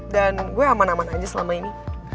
dan gue aman aman aja selama ini